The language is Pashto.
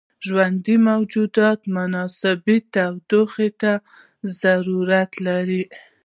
ژوندي موجودات مناسبې تودوخې ته ضرورت لري.